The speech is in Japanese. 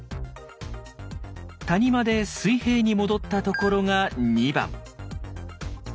谷間で水平に戻ったところが２番。